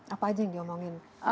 apa aja yang diomongin